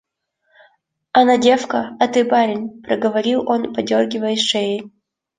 Она девка, а ты барин, — проговорил он, подергиваясь шеей.